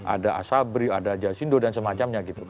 ada asabri ada jasindo dan semacamnya gitu